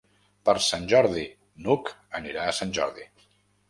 Per Sant Jordi n'Hug anirà a Sant Jordi.